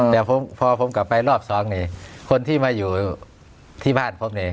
แต่พอผมกลับไปรอบสองนี่คนที่มาอยู่ที่บ้านผมนี่